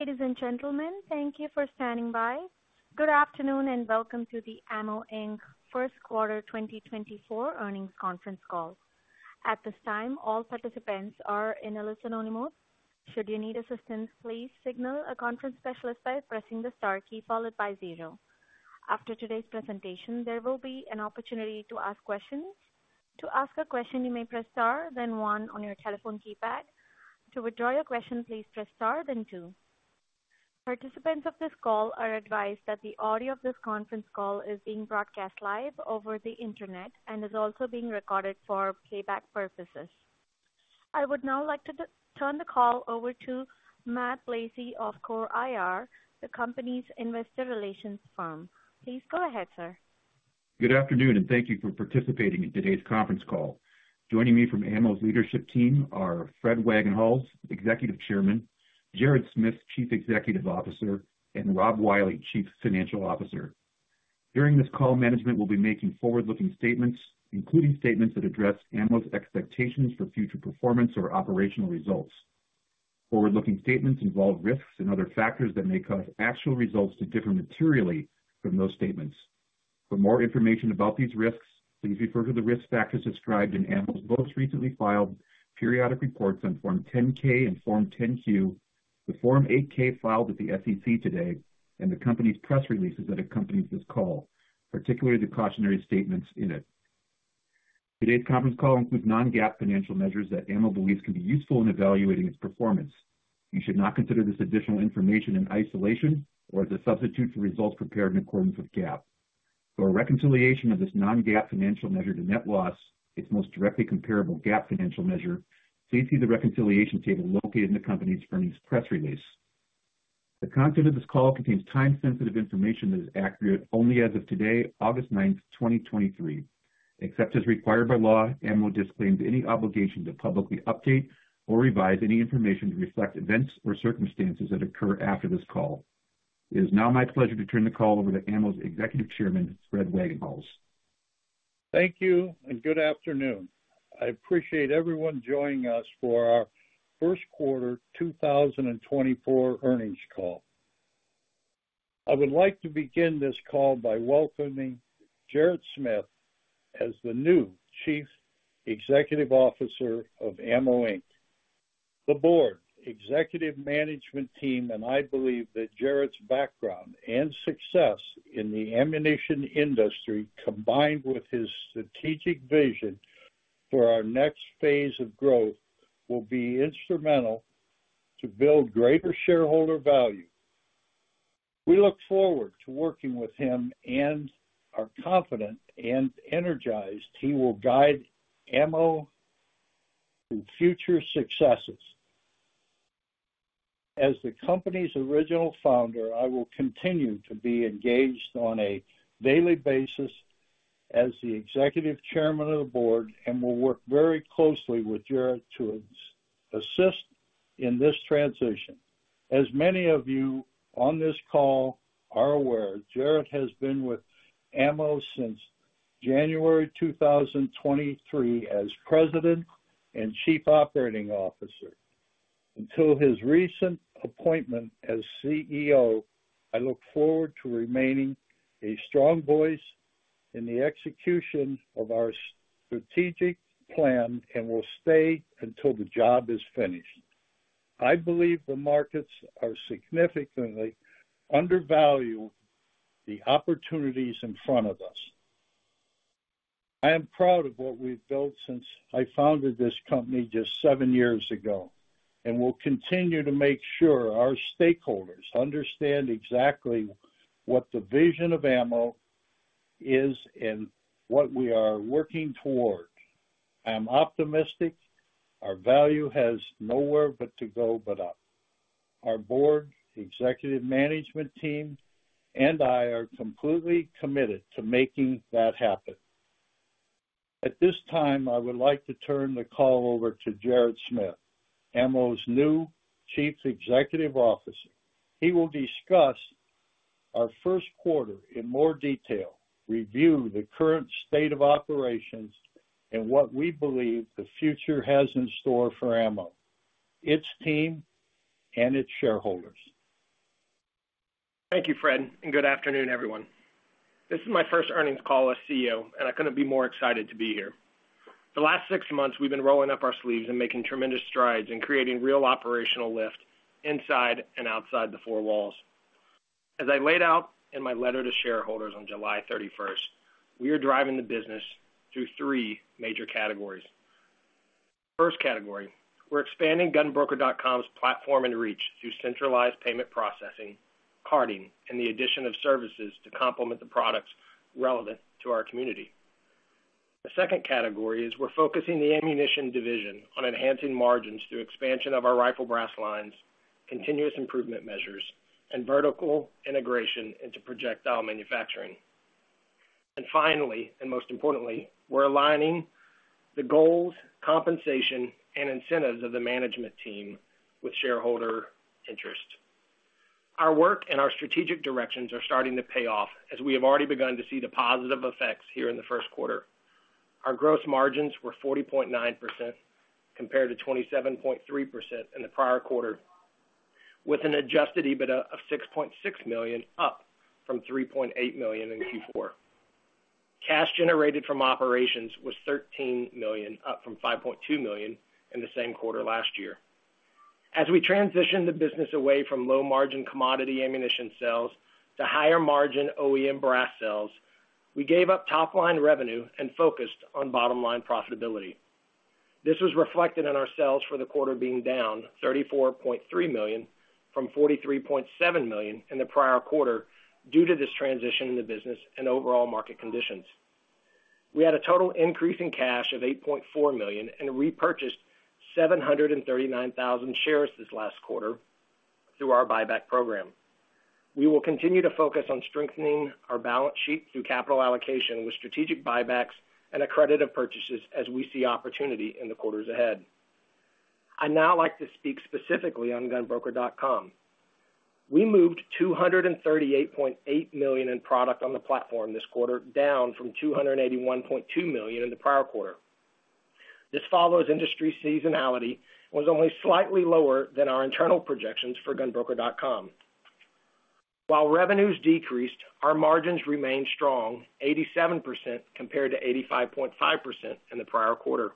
Ladies and gentlemen, thank you for standing by. Good afternoon, and welcome to the AMMO, Inc. First Quarter 2024 Earnings Conference Call. At this time, all participants are in a listen-only mode. Should you need assistance, please signal a conference specialist by pressing the star key followed by zero. After today's presentation, there will be an opportunity to ask questions. To ask a question, you may press star, then one on your telephone keypad. To withdraw your question, please press star, then two. Participants of this call are advised that the audio of this conference call is being broadcast live over the internet and is also being recorded for playback purposes. I would now like to turn the call over to, the company's investor relations firm. Please go ahead, sir. Good afternoon, and thank you for participating in today's conference call. Joining me from AMMO's leadership team are Fred Wagenhals, Executive Chairman, Jared Smith, Chief Executive Officer, and Rob Wiley, Chief Financial Officer. During this call, management will be making forward-looking statements, including statements that address AMMO's expectations for future performance or operational results. Forward-looking statements involve risks and other factors that may cause actual results to differ materially from those statements. For more information about these risks, please refer to the risk factors described in AMMO's most recently filed periodic reports on Form 10-K and Form 10-Q, the Form 8-K filed with the SEC today, and the company's press releases that accompany this call, particularly the cautionary statements in it. Today's conference call includes non-GAAP financial measures that AMMO believes can be useful in evaluating its performance. You should not consider this additional information in isolation or as a substitute for results prepared in accordance with GAAP. For a reconciliation of this non-GAAP financial measure to net loss, its most directly comparable GAAP financial measure, please see the reconciliation table located in the company's earnings press release. The content of this call contains time-sensitive information that is accurate only as of today, August 9th, 2023. Except as required by law, AMMO disclaims any obligation to publicly update or revise any information to reflect events or circumstances that occur after this call. It is now my pleasure to turn the call over to AMMO's Executive Chairman, Fred Wagenhals. Thank you. Good afternoon. I appreciate everyone joining us for our First Quarter 2024 Earnings Call. I would like to begin this call by welcoming Jared Smith as the new Chief Executive Officer of AMMO, Inc. The board, executive management team, and I believe that Jared's background and success in the ammunition industry, combined with his strategic vision for our next phase of growth, will be instrumental to build greater shareholder value. We look forward to working with him and are confident and energized he will guide AMMO to future successes. As the company's original founder, I will continue to be engaged on a daily basis as the Executive Chairman of the Board and will work very closely with Jared to assist in this transition. As many of you on this call are aware, Jared has been with AMMO since January 2023 as President and Chief Operating Officer. Until his recent appointment as CEO, I look forward to remaining a strong voice in the execution of our strategic plan and will stay until the job is finished. I believe the markets are significantly undervaluing the opportunities in front of us. I am proud of what we've built since I founded this company just seven years ago, and will continue to make sure our stakeholders understand exactly what the vision of Ammo is and what we are working towards. I am optimistic our value has nowhere but to go but up. Our board, executive management team, and I are completely committed to making that happen. At this time, I would like to turn the call over to Jared Smith, AMMO's new Chief Executive Officer. He will discuss our first quarter in more detail, review the current state of operations, and what we believe the future has in store for AMMO, its team, and its shareholders. Thank you, Fred. Good afternoon, everyone. This is my first earnings call as CEO, and I couldn't be more excited to be here. The last six months, we've been rolling up our sleeves and making tremendous strides in creating real operational lift inside and outside the four walls. As I laid out in my letter to shareholders on July 31st, we are driving the business through three major categories. First category, we're expanding GunBroker.com's platform and reach through centralized payment processing, carting, and the addition of services to complement the products relevant to our community. The second category is we're focusing the ammunition division on enhancing margins through expansion of our rifle brass lines, continuous improvement measures, and vertical integration into projectile manufacturing. Finally, and most importantly, we're aligning the goals, compensation, and incentives of the management team with shareholder interest. Our work and our strategic directions are starting to pay off, as we have already begun to see the positive effects here in the first quarter. Our gross margins were 40.9%, compared to 27.3% in the prior quarter, with an adjusted EBITDA of $6.6 million, up from $3.8 million in Q4. Cash generated from operations was $13 million, up from $5.2 million in the same quarter last year. As we transition the business away from low-margin commodity ammunition sales to higher-margin OEM brass sales, we gave up top-line revenue and focused on bottom-line profitability. This was reflected in our sales for the quarter being down $34.3 million from $43.7 million in the prior quarter due to this transition in the business and overall market conditions. We had a total increase in cash of $8.4 million and repurchased 739,000 shares this last quarter through our buyback program. We will continue to focus on strengthening our balance sheet through capital allocation with strategic buybacks and accretive purchases as we see opportunity in the quarters ahead. I'd now like to speak specifically on GunBroker.com. We moved $238.8 million in product on the platform this quarter, down from $281.2 million in the prior quarter. This follows industry seasonality and was only slightly lower than our internal projections for GunBroker.com. While revenues decreased, our margins remained strong, 87%, compared to 85.5% in the prior quarter.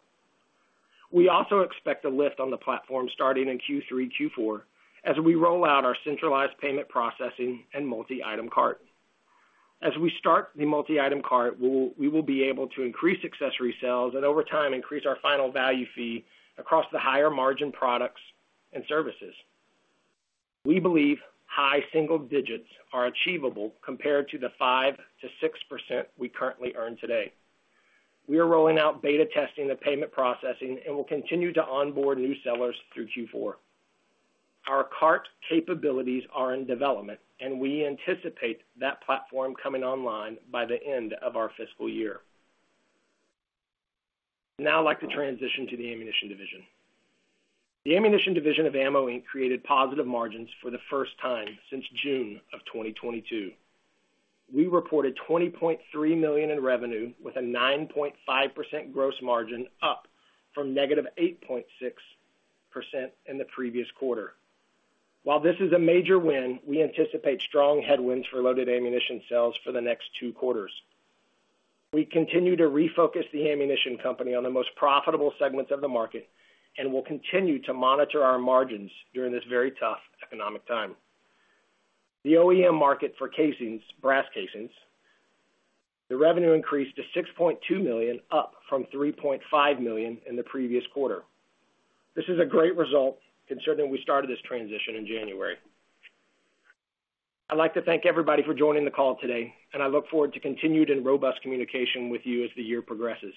We also expect a lift on the platform starting in Q3, Q4, as we roll out our centralized payment processing and multi-item cart. As we start the multi-item cart, we will be able to increase accessory sales and over time, increase our final value fee across the higher-margin products and services. We believe high single digits are achievable compared to the 5%-6% we currently earn today. We are rolling out beta testing the payment processing and will continue to onboard new sellers through Q4. Our cart capabilities are in development, and we anticipate that platform coming online by the end of our fiscal year. Now I'd like to transition to the ammunition division. The ammunition division of AMMO, Inc. created positive margins for the first time since June 2022. We reported $20.3 million in revenue, with a 9.5% gross margin, up from -8.6% in the previous quarter. While this is a major win, we anticipate strong headwinds for loaded ammunition sales for the next two quarters. We continue to refocus the ammunition company on the most profitable segments of the market and will continue to monitor our margins during this very tough economic time. The OEM market for casings, brass casings, the revenue increased to $6.2 million, up from $3.5 million in the previous quarter. This is a great result considering we started this transition in January. I'd like to thank everybody for joining the call today, and I look forward to continued and robust communication with you as the year progresses.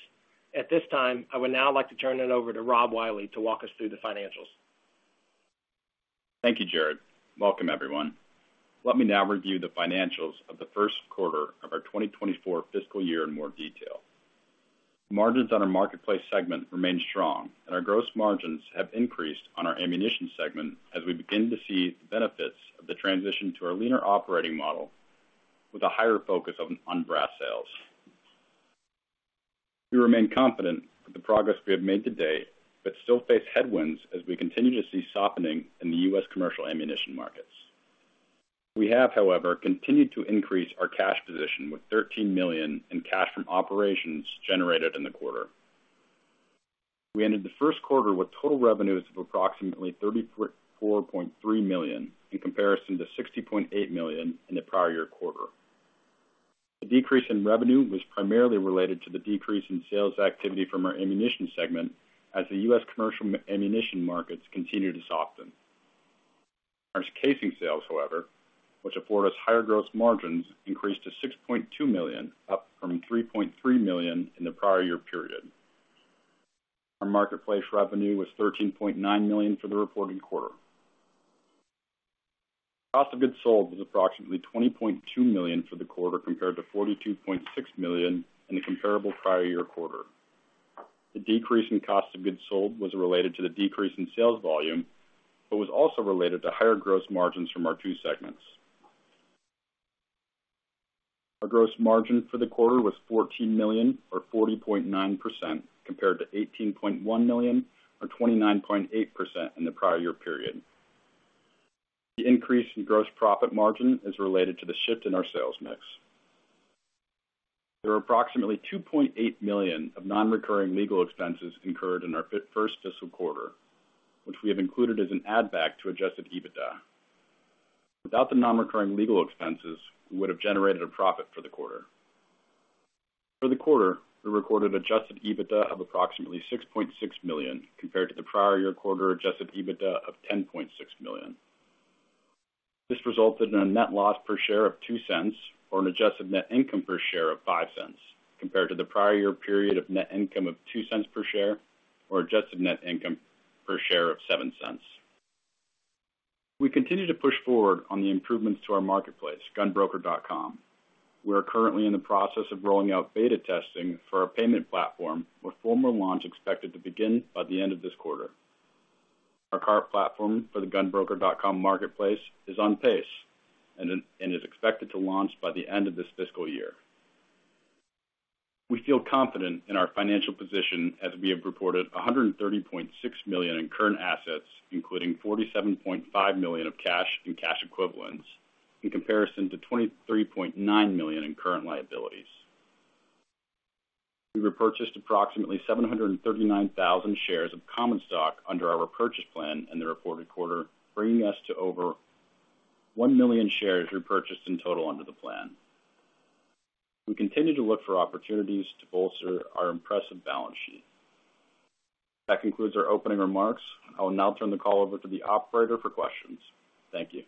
At this time, I would now like to turn it over to Rob Wiley to walk us through the financials. Thank you, Jared. Welcome, everyone. Let me now review the financials of the first quarter of our 2024 fiscal year in more detail. Margins on our marketplace segment remain strong. Our gross margins have increased on our ammunition segment as we begin to see the benefits of the transition to our leaner operating model with a higher focus on brass sales. We remain confident with the progress we have made to date, but still face headwinds as we continue to see softening in the U.S. commercial ammunition markets. We have, however, continued to increase our cash position with $13 million in cash from operations generated in the quarter. We ended the first quarter with total revenues of approximately $34.3 million, in comparison to $60.8 million in the prior year quarter. The decrease in revenue was primarily related to the decrease in sales activity from our ammunition segment, as the U.S. commercial ammunition markets continued to soften. Our casing sales, however, which afford us higher gross margins, increased to $6.2 million, up from $3.3 million in the prior year period. Our marketplace revenue was $13.9 million for the reported quarter. Cost of goods sold was approximately $20.2 million for the quarter, compared to $42.6 million in the comparable prior year quarter. The decrease in cost of goods sold was related to the decrease in sales volume, but was also related to higher gross margins from our two segments. Our gross margin for the quarter was $14 million, or 40.9%, compared to $18.1 million, or 29.8% in the prior year period. The increase in gross profit margin is related to the shift in our sales mix. There are approximately $2.8 million of non-recurring legal expenses incurred in our first fiscal quarter, which we have included as an add-back to adjusted EBITDA. Without the non-recurring legal expenses, we would have generated a profit for the quarter. For the quarter, we recorded adjusted EBITDA of approximately $6.6 million, compared to the prior year quarter adjusted EBITDA of $10.6 million. This resulted in a net loss per share of $0.02 or an adjusted net income per share of $0.05, compared to the prior year period of net income of $0.02 per share, or adjusted net income per share of $0.07. We continue to push forward on the improvements to our marketplace, GunBroker.com. We are currently in the process of rolling out beta testing for our payment platform, with formal launch expected to begin by the end of this quarter. Our current platform for the GunBroker.com marketplace is on pace, and is expected to launch by the end of this fiscal year. We feel confident in our financial position, as we have reported $130.6 million in current assets, including $47.5 million of cash and cash equivalents, in comparison to $23.9 million in current liabilities. We repurchased approximately 739,000 shares of common stock under our repurchase plan in the reported quarter, bringing us to over 1 million shares repurchased in total under the plan. We continue to look for opportunities to bolster our impressive balance sheet. That concludes our opening remarks. I will now turn the call over to the operator for questions. Thank you.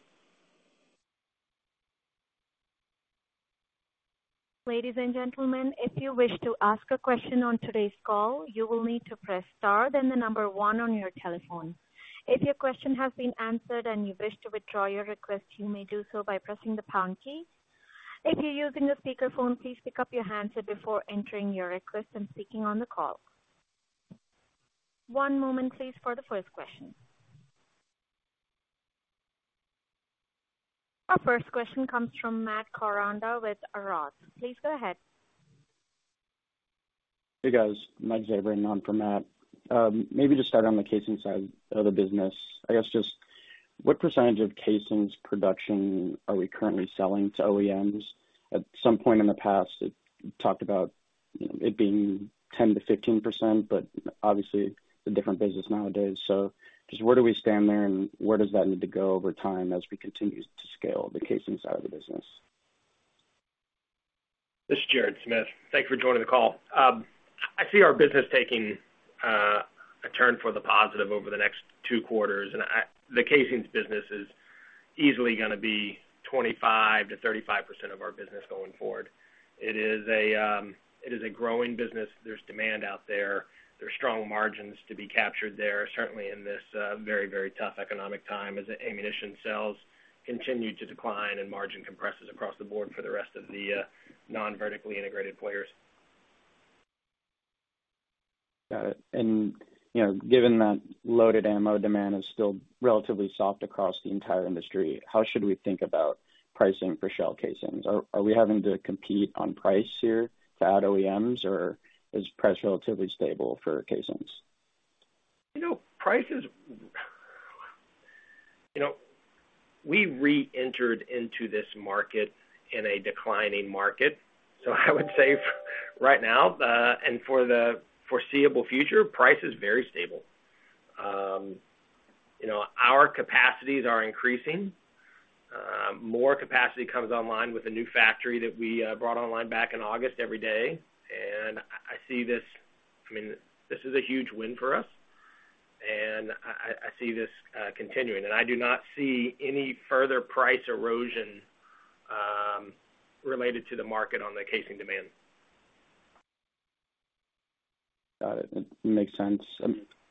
Ladies and gentlemen, if you wish to ask a question on today's call, you will need to press star, then the number one on your telephone. If your question has been answered and you wish to withdraw your request, you may do so by pressing the pound key. If you're using a speakerphone, please pick up your handset before entering your request and speaking on the call. one moment please, for the first question. Our first question comes from Matt Koranda with ROTH. Please go ahead. Hey, guys, Mike Zabran in for Matt. Maybe just start on the casings side of the business. I guess, just what percentage of casings production are we currently selling to OEMs? At some point in the past, it talked about it being 10%-15%, but obviously, it's a different business nowadays. Just where do we stand there, and where does that need to go over time as we continue to scale the casings side of the business? This is Jared Smith. Thanks for joining the call. I see our business taking a turn for the positive over the next two quarters. The casings business is easily going to be 25%-35% of our business going forward. It is a growing business. There's demand out there. There's strong margins to be captured there, certainly in this very, very tough economic time, as ammunition sales continue to decline and margin compresses across the board for the rest of the non-vertically integrated players. Got it. You know, given that loaded ammo demand is still relatively soft across the entire industry, how should we think about pricing for shell casings? Are, are we having to compete on price here to add OEMs, or is price relatively stable for casings? You know, prices, you know, we reentered into this market in a declining market, so I would say right now, and for the foreseeable future, price is very stable. You know, our capacities are increasing. More capacity comes online with the new factory that we brought online back in August, every day. I, I see this, I mean, this is a huge win for us, and I, I, I see this continuing, and I do not see any further price erosion related to the market on the casing demand. Got it. It makes sense.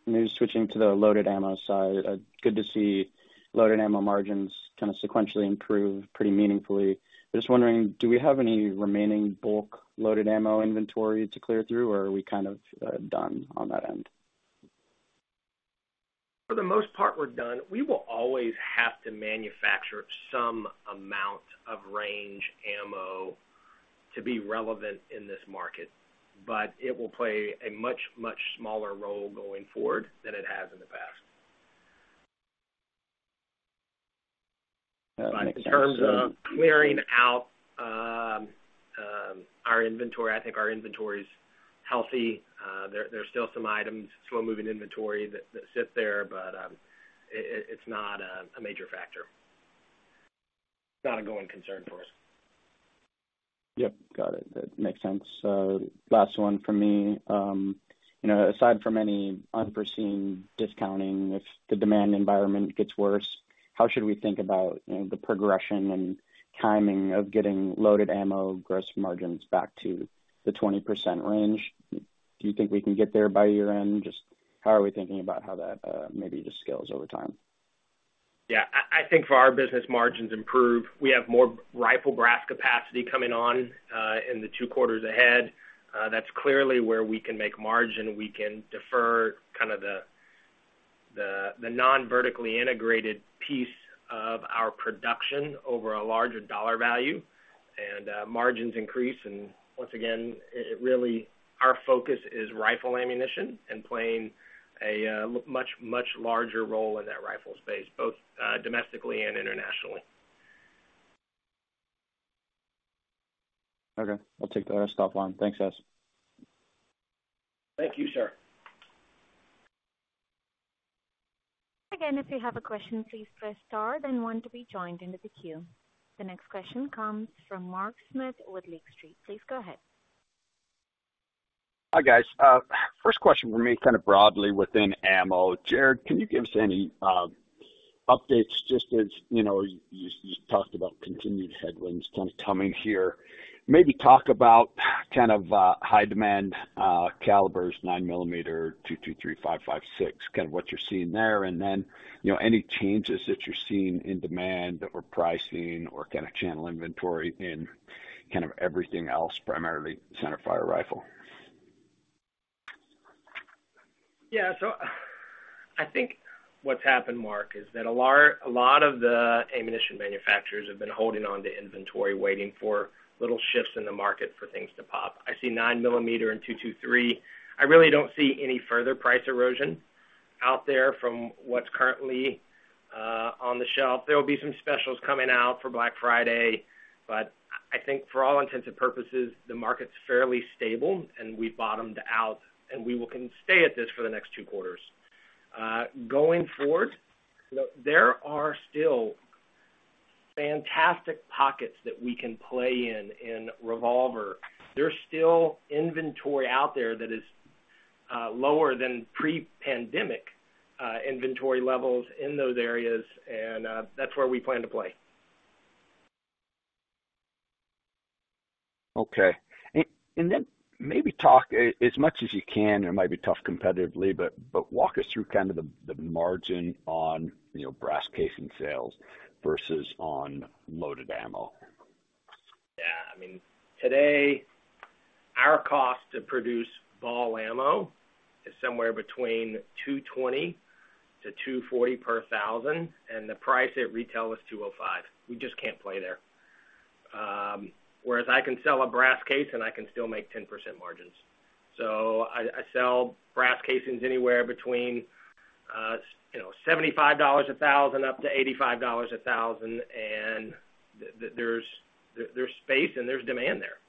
Maybe switching to the loaded ammo side, good to see loaded ammo margins kind of sequentially improve pretty meaningfully. Just wondering, do we have any remaining bulk loaded ammo inventory to clear through, or are we kind of, done on that end? For the most part, we're done. We will always have to manufacture some amount of range ammo to be relevant in this market, but it will play a much, much smaller role going forward than it has in the past. That makes sense. In terms of clearing out, our inventory, I think our inventory is healthy. There, there are still some items, slow-moving inventory that, that sit there, but, it, it, it's not a, a major factor. Not a going concern for us. Yep, got it. That makes sense. Last one for me. You know, aside from any unforeseen discounting, if the demand environment gets worse, how should we think about, you know, the progression and timing of getting loaded ammo gross margins back to the 20% range? Do you think we can get there by year-end? Just how are we thinking about how that, maybe just scales over time? Yeah, I, I think for our business margins improve. We have more rifle brass capacity coming on in the two quarters ahead. That's clearly where we can make margin. We can defer kind of the, the, the non-vertically integrated piece of our production over a larger dollar value, and margins increase. Once again, it, it really, our focus is rifle ammunition and playing a much, much larger role in that rifle space, both domestically and internationally. Okay. I'll take the rest offline. Thanks, guys. Thank you, sir. Again, if you have a question, please press star, then one to be joined into the queue. The next question comes from Mark Smith with Lake Street. Please go ahead. Hi, guys. First question for me, kind of broadly within AMMO. Jared, can you give us any updates just as, you know, you, you talked about continued headwinds kind of coming here? Maybe talk about kind of high demand calibers, 9mm, .223, 5.56, kind of what you're seeing there. You know, any changes that you're seeing in demand or pricing or kind of channel inventory in kind of everything else, primarily centerfire rifle. Yeah, I think what's happened, Mark, is that a lot of the ammunition manufacturers have been holding on to inventory, waiting for little shifts in the market for things to pop. I see 9mm and .223. I really don't see any further price erosion out there from what's currently on the shelf. There will be some specials coming out for Black Friday, but I think for all intents and purposes, the market's fairly stable and we bottomed out, and we can stay at this for the next two quarters. Going forward, there are still fantastic pockets that we can play in, in revolver. There's still inventory out there that is lower than pre-pandemic inventory levels in those areas, and that's where we plan to play. Okay. Then maybe talk as much as you can, it might be tough competitively, but walk us through kind of the margin on, you know, brass casing sales versus on loaded ammo. Yeah, I mean, today, our cost to produce ball ammo is somewhere between $220-$240 per thousand, and the price at retail is $205. We just can't play there. Whereas I can sell a brass casing, I can still make 10% margins. I sell brass casings anywhere between $75 a thousand up to $85 a thousand, and there's, there's space and there's demand there.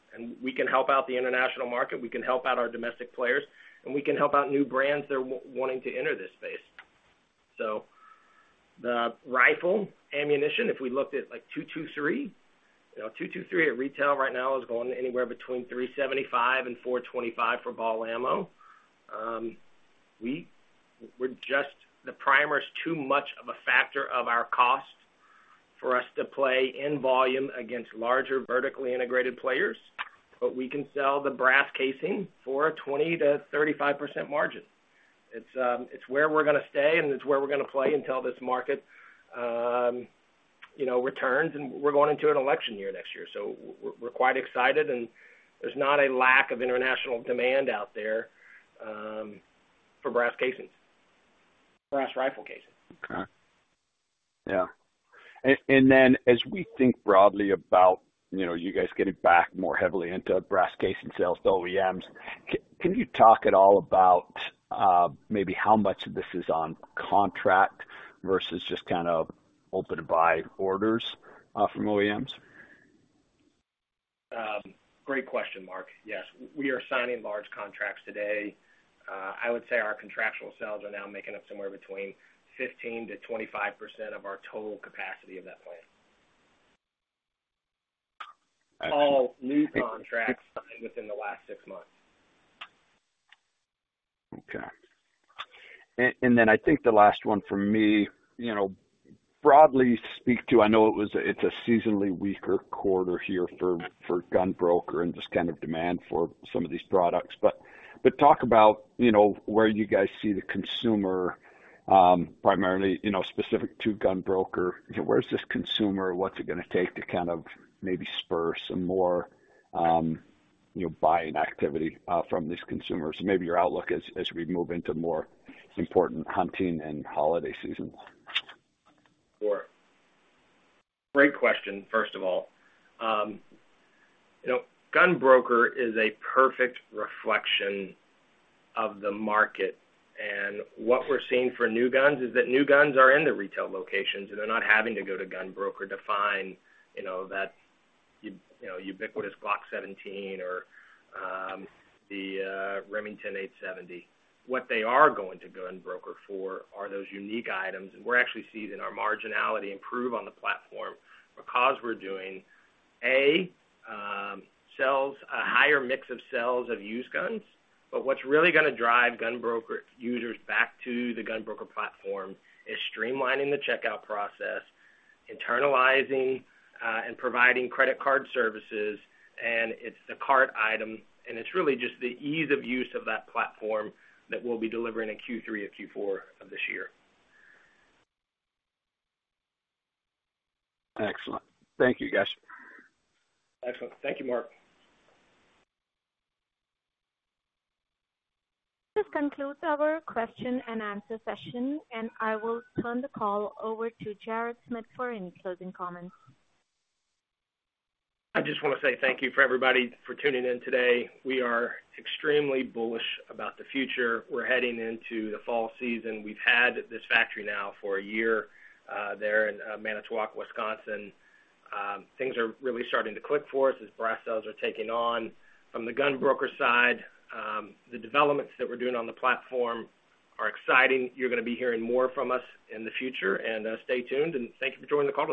We can help out the international market, we can help out our domestic players, and we can help out new brands that are wanting to enter this space. The rifle ammunition, if we looked at, like, .223, .223 at retail right now is going anywhere between $375 and $425 for ball ammo. We're just. The primer is too much of a factor of our cost for us to play in volume against larger, vertically integrated players, but we can sell the brass casing for a 20%-35% margin. It's where we're gonna stay, and it's where we're gonna play until this market, you know, returns, and we're going into an election year next year. We're quite excited, and there's not a lack of international demand out there for brass casings, brass rifle casings. Okay. Yeah. As we think broadly about, you know, you guys getting back more heavily into brass casing sales to OEMs, can you talk at all about, maybe how much of this is on contract versus just kind of open-to-buy orders, from OEMs? Great question, Mark. Yes, we are signing large contracts today. I would say our contractual sales are now making up somewhere between 15%-25% of our total capacity of that plant. All new contracts signed within the last six months. Okay. Then I think the last one from me, you know, broadly speak to I know it's a seasonally weaker quarter here for, for GunBroker and just kind of demand for some of these products. But talk about, you know, where you guys see the consumer, primarily, you know, specific to GunBroker, where is this consumer? What's it gonna take to kind of maybe spur some more, you know, buying activity from these consumers? Maybe your outlook as, as we move into more important hunting and holiday season? Sure. Great question, first of all. You know, GunBroker is a perfect reflection of the market, and what we're seeing for new guns is that new guns are in the retail locations, and they're not having to go to GunBroker to find, you know, that ubiquitous Glock 17 or the Remington 870. What they are going to GunBroker for are those unique items, and we're actually seeing our marginality improve on the platform because we're doing sales, a higher mix of sales of used guns. What's really gonna drive GunBroker users back to the GunBroker platform is streamlining the checkout process, internalizing and providing credit card services, and it's a cart item, and it's really just the ease of use of that platform that we'll be delivering in Q3 or Q4 of this year. Excellent. Thank you, guys. Excellent. Thank you, Mark. This concludes our question and answer session. I will turn the call over to Jared Smith for any closing comments. I just want to say thank you for everybody for tuning in today. We are extremely bullish about the future. We're heading into the fall season. We've had this factory now for a year, there in Manitowoc, Wisconsin. Things are really starting to click for us as brass sales are taking on. From the GunBroker side, the developments that we're doing on the platform are exciting. You're gonna be hearing more from us in the future, and stay tuned, and thank you for joining the call.